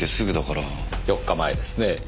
４日前ですね。